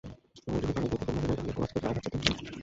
সমাজ যদি কালের গতিকে বাধা দেয় তা হলে সমাজকে যে আঘাত পেতেই হবে।